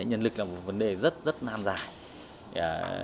nhân lực là một vấn đề rất rất nan giải